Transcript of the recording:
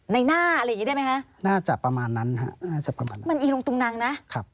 ในหน้าอะไรอย่างงี้ได้ไหมคะน่าจะประมาณนั้นฮะน่าจะประมาณมันอีลุงตุงนังนะครับ